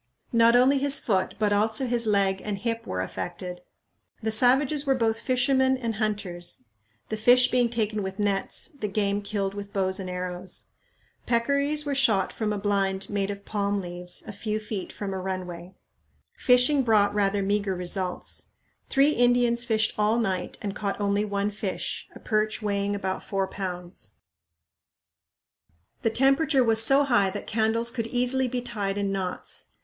Not only his foot, but also his leg and hip were affected. The savages were both fishermen and hunters; the fish being taken with nets, the game killed with bows and arrows. Peccaries were shot from a blind made of palm leaves a few feet from a runway. Fishing brought rather meager results. Three Indians fished all night and caught only one fish, a perch weighing about four pounds. The temperature was so high that candles could easily be tied in knots.